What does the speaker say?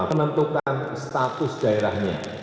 untuk menentukan status daerahnya